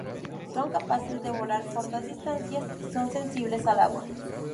Son capaces de volar cortas distancias y son sensibles al agua.